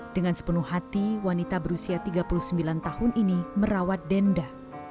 dengan sepenuh hati wanita berusia tiga puluh sembilan tahun ini merawat denda